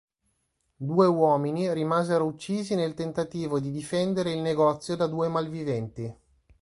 Due uomini rimasero uccisi nel tentativo di difendere il negozio da due malviventi.